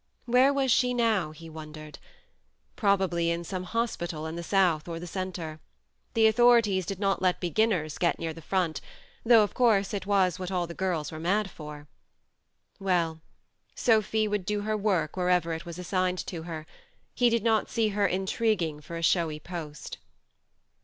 Where was she now, he wondered ? Probably in some hospital in the south or the centre : the authori ties did not let beginners get near the front, though, of course, it was what all the girls were mad for. ... Well, Sophy would do her work wherever it i 114 THE MARNE was assigned to her : he did not see her intriguing for a showy post.